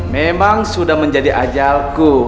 memang sudah menjadi ajalku